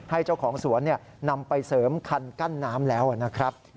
ให้เจ้าของสวนนำไปเสริมคันกั้นน้ำแล้วนะครับ